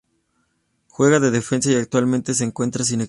Juega de defensa y actualmente se encuentra sin equipo.